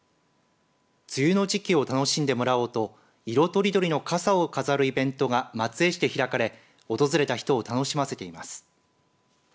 梅雨の時期を楽しんでもらおうと色とりどりの傘を飾るイベントが松江市で開かれ訪れた人を楽しませています。